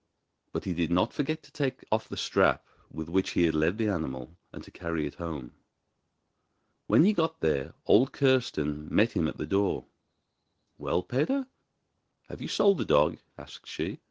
But he did not forget to take off the strap with which he had led the animal, and to carry it home. When he got there old Kirsten met him at the door. 'Well, Peder, and have you sold the dog?' asked she.